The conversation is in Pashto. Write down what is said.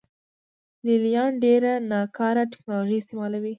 لې لیان ډېره ناکاره ټکنالوژي استعملوي